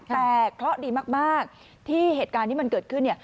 แต่เคราะห์ดีมากที่เหตุการณ์ที่มันเกิดขึ้น